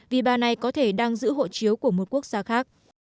vì bà này có thể đang giữ hộ chiếu của một quốc gia khác